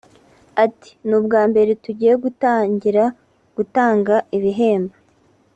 Ati “Ni ubwa mbere tugiye gutangira gutanga ibihembo